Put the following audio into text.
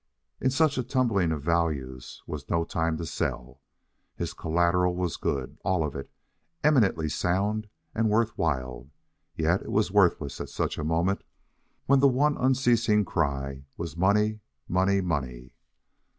In such a tumbling of values was no time to sell. His collateral was good, all of it, eminently sound and worth while; yet it was worthless at such a moment, when the one unceasing cry was money, money, money.